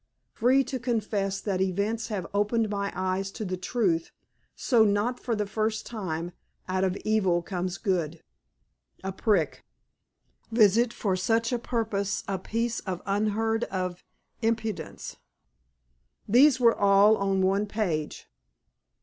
"Free to confess that events have opened my eyes to the truth, so, not for the first time, out of evil comes good." "A prig." "Visit for such a purpose a piece of unheard of impudence."_ These were all on one page.